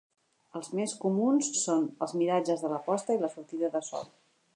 Els més comuns són els miratges de la posta i la sortida de sol.